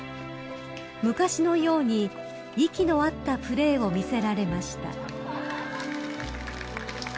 ［昔のように息の合ったプレーを見せられました］